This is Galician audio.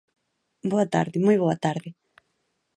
Boa tarde, moi boa tarde.